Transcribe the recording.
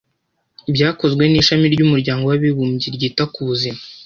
byakozwe n’ishami ry'umuryango w'abibumbye ryita ku buzima